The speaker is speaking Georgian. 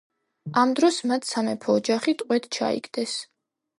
ამ დროს მათ სამეფო ოჯახი ტყვედ ჩაიგდეს.